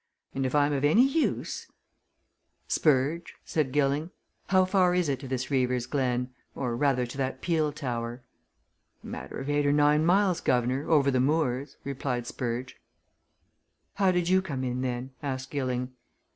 And if I'm of any use " "Spurge," said Gilling. "How far is it to this Reaver's Glen or, rather to that peel tower?" "Matter of eight or nine miles, guv'nor, over the moors," replied Spurge. "How did you come in then?" asked Gilling.